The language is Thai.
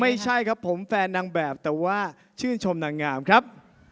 ไม่ใช่ครับผมแฟนนางแบบแต่ว่าชื่นชมนางงามครับ